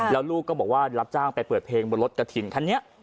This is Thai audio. แล้วลูกก็บอกว่ารับจ้างไปเปิดเพลงบนรถกระถิ่นคันนี้